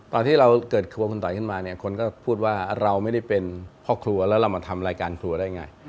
ตอนที่เราเกิดครัวคุณต่อยขึ้นมาเนี่ยคนก็พูดว่าเราไม่ได้เป็นพ่อครัวแล้วเรามาทำรายการครัวได้ไง